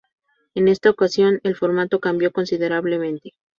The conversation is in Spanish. En esta ocasión, el formato cambió considerablemente.